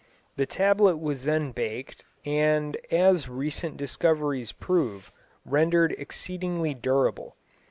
The tablet was then baked, and as recent discoveries prove, rendered exceedingly durable.